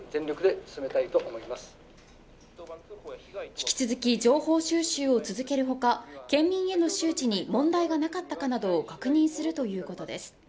引き続き情報収集を続ける他、県民への周知に問題がなかったかなどを確認するということです。